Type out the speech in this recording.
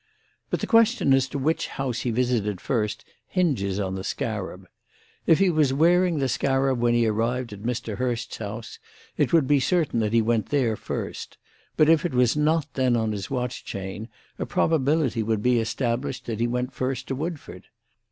"But the question as to which house he visited first hinges on the scarab. If he was wearing the scarab when he arrived at Mr. Hurst's house, it would be certain that he went there first; but if it was not then on his watch chain, a probability would be established that he went first to Woodford.